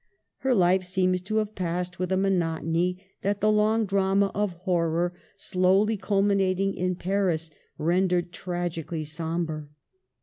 Her life seems to have passed with a monotony that the long drama of horror slowly culminating in Paris rendered tragically sombre.